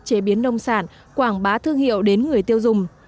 chế biến nông sản quảng bá thương hiệu đến người tiêu dùng